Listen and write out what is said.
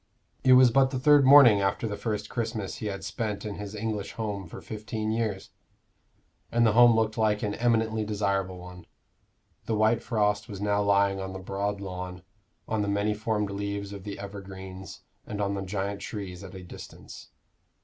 It was but the third morning after the first Christmas he had spent in his English home for fifteen years, and the home looked like an eminently desirable one. The white frost was now lying on the broad lawn, on the many formed leaves of the evergreens and on the giant trees at a distance.